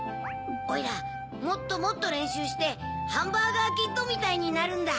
おいらもっともっとれんしゅうしてハンバーガーキッドみたいになるんだ。